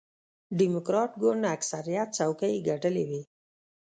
ډیموکراټ ګوند اکثریت څوکۍ ګټلې وې.